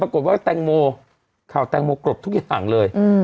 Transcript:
ปรากฏว่าแตงโมข่าวแตงโมกรบทุกอย่างเลย